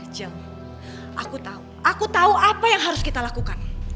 aku tahu aku tahu apa yang harus kita lakukan